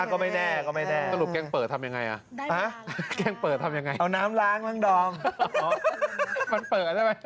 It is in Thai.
ก็ไม่แน่ก็ไม่แน่